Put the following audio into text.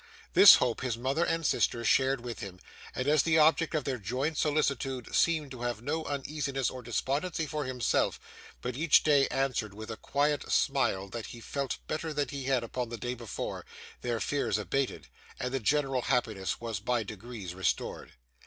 This hope his mother and sister shared with him; and as the object of their joint solicitude seemed to have no uneasiness or despondency for himself, but each day answered with a quiet smile that he felt better than he had upon the day before, their fears abated, and the general happiness was by degrees restored.